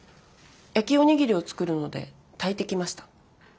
焼きおにぎりを作るので炊いてきました。